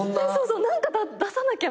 何か出さなきゃ！